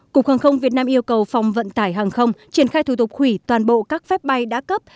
cục hàng không việt nam yêu cầu phòng vận tải hàng không triển khai thủ tục hủy toàn bộ các phép bay đã cấp